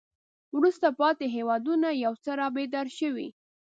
وروسته پاتې هېوادونه یو څه را بیدار شوي.